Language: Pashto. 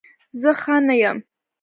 زه ښه نه یم